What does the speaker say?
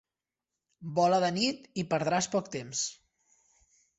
Vola de nit i perdràs poc temps.